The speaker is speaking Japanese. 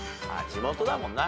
地元だもんな。